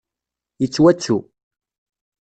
Yettwattu.